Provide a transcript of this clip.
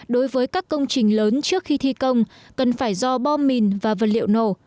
đối với các công trình lớn trước khi thi công cần phải do bom mìn và vật liệu nổ